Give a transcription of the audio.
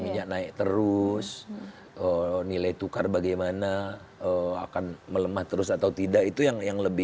nah itu dimaksudkan